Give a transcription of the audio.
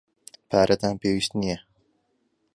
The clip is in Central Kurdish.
پارەتان پێویست نییە.